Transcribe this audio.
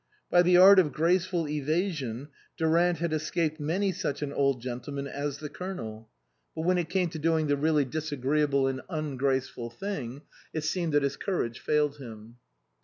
By the art of graceful evasion Durant had escaped many such an old gentleman as the Colonel ; but when it came to doing the really disagreeable and 68 INLAND ungraceful thing it seemed that his courage failed him.